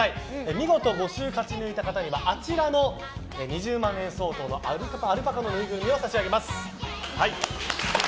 見事５週勝ち抜いた方にはあちらの２０万円相当のアルパカのぬいぐるみを差し上げます。